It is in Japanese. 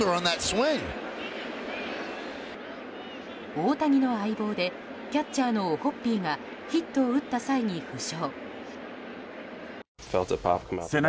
大谷の相棒でキャッチャーのオホッピーがヒットを打った際に負傷。